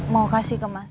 mau kasih ke mas